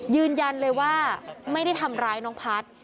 ยืนยันเลยว่าไม่ได้ทำร้ายน้องพัฒน์